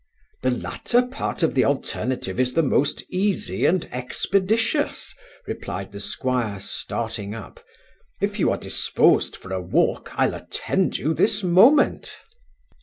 'The latter part of the alternative is the most easy and expeditious (replied the 'squire, starting up): if you are disposed for a walk, I'll attend you this moment.